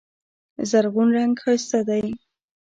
زرغون رنګ ښایسته دی.